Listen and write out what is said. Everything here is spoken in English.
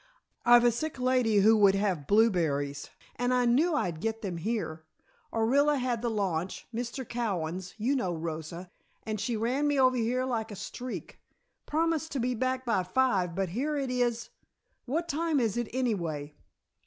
"I've a sick lady who would have blueberries, and I knew I'd get them here. Orilla had the launch Mr. Cowan's, you know, Rosa, and she ran me over here like a streak. Promised to be back by five but here it is What time is it, anyway?"